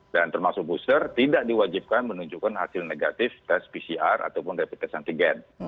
dan termasuk booster tidak diwajibkan menunjukkan hasil negatif tes pcr ataupun reputasi antigen